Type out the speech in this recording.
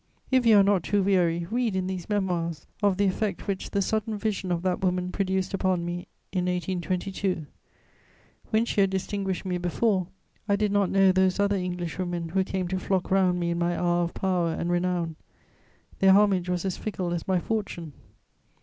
If you are not too weary, read in these Memoirs of the effect which the sudden vision of that woman produced upon me in 1822. When she had distinguished me before, I did not know those other Englishwomen who came to flock round me in my hour of power and renown: their homage was as fickle as my fortune.